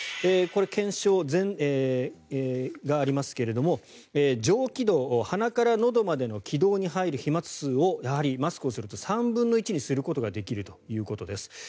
これ、検証がありますが上気道鼻からのどまでの気道に入る飛まつ数をやはりマスクをすると３分の１にすることができるということです。